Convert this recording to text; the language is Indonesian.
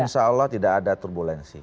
insya allah tidak ada turbulensi